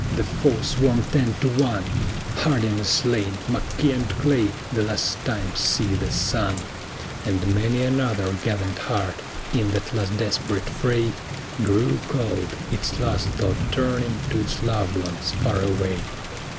The foe swarm ten to one: HARDIN is slain; MCKEE and CLAY the last time see the sun: And many another gallant heart, in that last desperate fray, Grew cold, its last thought turning to its loved ones far away.